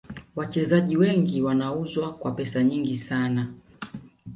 Wachezaji wengi wanauzwa kwa pesa nyingi sana